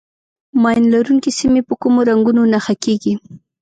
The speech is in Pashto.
ماین لرونکي سیمې په کومو رنګونو نښه کېږي.